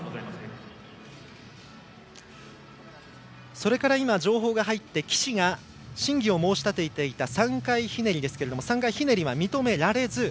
それから、情報が入って岸が審議を申し立てていた３回ひねりですが３回ひねりは認められず。